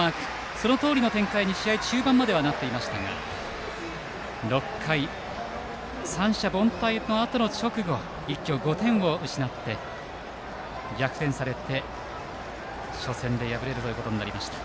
そのとおりの展開に試合中盤まではなっていましたが６回、三者凡退のあとの直後一挙５点を失って逆転され初戦で敗れることになりました。